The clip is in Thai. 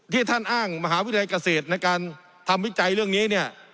ท่านอ้างมหาวิทยาลัยเกษตรในการทำวิจัยเรื่องนี้เนี่ย